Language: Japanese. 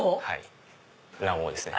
卵黄ですね。